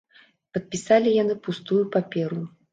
Падпісалі яны пустую паперу.